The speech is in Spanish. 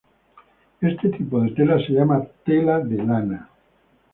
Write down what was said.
Este tipo de tela se llama "tela de lana".